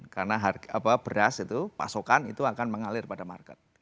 karena beras itu pasokan itu akan mengalir pada market